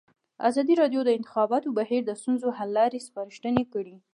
ازادي راډیو د د انتخاباتو بهیر د ستونزو حل لارې سپارښتنې کړي.